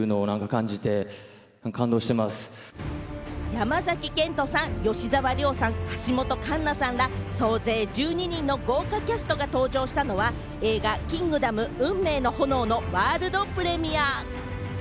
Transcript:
山崎賢人さん、吉沢亮さん、橋本環奈さんら総勢１２人の豪華キャストが登場したのは、映画『キングダム運命の炎』のワールドプレミア。